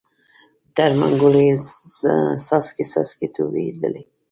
تر منګول یې څاڅکی څاڅکی تویېدلې